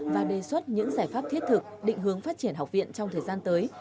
và đề xuất những giải pháp thiết thực định hướng phát triển học viện trong thời gian tới